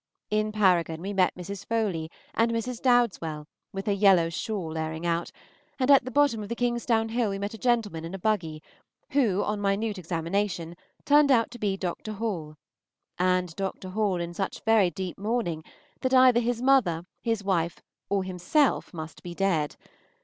In Paragon we met Mrs. Foley and Mrs. Dowdeswell with her yellow shawl airing out, and at the bottom of Kingsdown Hill we met a gentleman in a buggy, who, on minute examination, turned out to be Dr. Hall and Dr. Hall in such very deep mourning that either his mother, his wife, or himself must be dead.